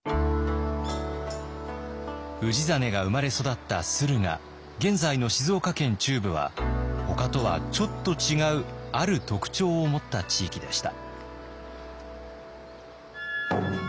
氏真が生まれ育った駿河現在の静岡県中部はほかとはちょっと違うある特徴を持った地域でした。